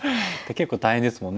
結構大変ですもんね。